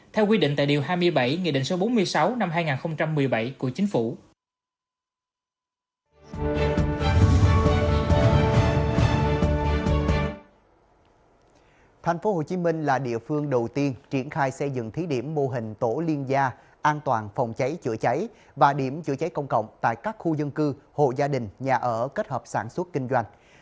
theo quy định tại điều hai mươi bảy nghị định số bốn mươi sáu năm hai nghìn một mươi bảy của chính phủ